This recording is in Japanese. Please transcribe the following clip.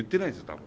多分。